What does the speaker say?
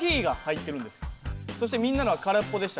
そしてみんなのは空っぽでした。